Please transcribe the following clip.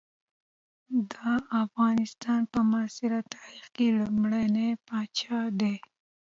د افغانستان په معاصر تاریخ کې لومړنی پاچا دی.